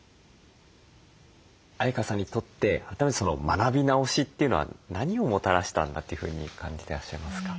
相川さんにとって改めて学び直しというのは何をもたらしたんだというふうに感じてらっしゃいますか？